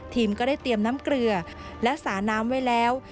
ก็ได้เตรียมน้ำเกลือและสาน้ำไว้แล้ว